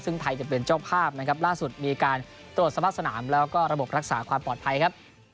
ซึ่งไทยจะเป็นเจ้าภาพนะครับล่าสุดมีการตรวจสภาพสนามแล้วก็ระบบรักษาความปลอดภัยครับ